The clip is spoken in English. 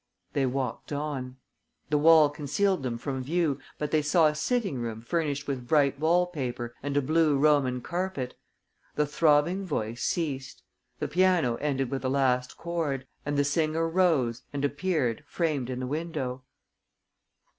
They walked on. The wall concealed them from view, but they saw a sitting room furnished with bright wall paper and a blue Roman carpet. The throbbing voice ceased. The piano ended with a last chord; and the singer rose and appeared framed in the window.